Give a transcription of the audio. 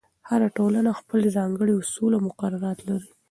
هر ټولنه خپل ځانګړي اصول او مقررات لري.